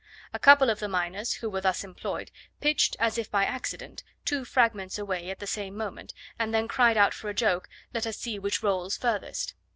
A couple of the miners who were thus employed, pitched, as if by accident, two fragments away at the same moment, and then cried out for a joke "Let us see which rolls furthest."